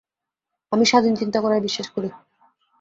আমি স্বাধীন চিন্তা করায় বিশ্বাস করি।